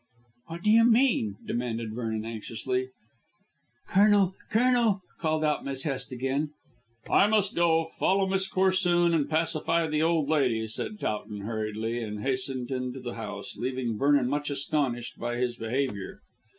"What do you mean?" demanded Vernon anxiously. "Colonel, Colonel," called out Miss Hest again. "I must go. Follow Miss Corsoon and pacify the old lady," said Towton hurriedly, and hastened into the house, leaving Vernon much astonished by his behaviour.